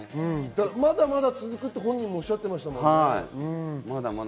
まだまだ続くって本人もおっしゃってましたもんね。